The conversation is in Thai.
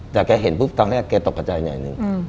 แต่แกเห็นปุ๊บตอนแรกแกตกกระใจหน่อยหนึ่ง